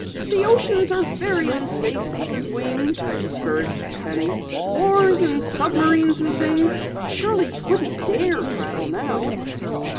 "The oceans are very unsafe, Mrs. Weems," discouraged Penny. "Wars and submarines and things. Surely you wouldn't dare travel now."